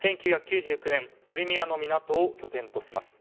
１９９９年クリミアの港を拠点とします。